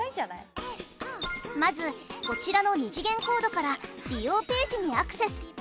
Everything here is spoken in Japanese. まずこちらの２次元コードから利用ページにアクセス。